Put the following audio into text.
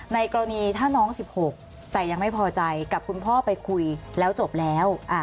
ในกรณีถ้าน้อง๑๖แต่ยังไม่พอใจกับคุณพ่อไปคุยแล้วจบแล้ว